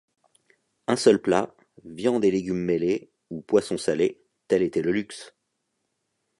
Un seul plat, viande et légumes mêlés, ou poisson salé, tel était le luxe.